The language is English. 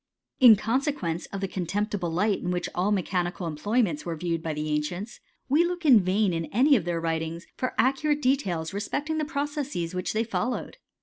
In consequence of the contemptible light in all mechanical employments were viewed by th#i cients, we look in vain in ai^ of their writin accurate details respecting the processes which 1 followed.